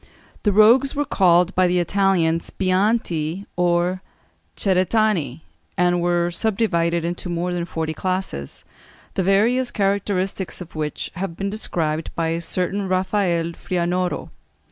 The rogues were called by the Italians bianti, or ceretani, and were subdivided into more than forty classes, the various characteristics of which have been described by a certain Rafael Frianoro.